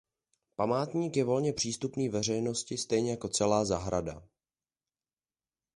Památník je volně přístupný veřejnosti stejně jako celá zahrada.